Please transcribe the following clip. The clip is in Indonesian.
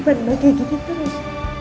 bagaimana kayak gitu terus